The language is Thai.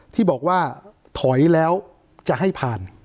ที่บอกว่าถอยแล้วจะให้ผ่าน